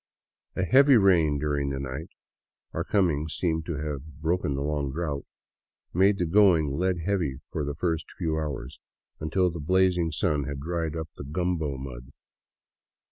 A heavy rain during the night — our coming seemed to have broken the long drought — made the going lead heavy for the first few hours, until the blazing sun had dried up the " gumbo " mud.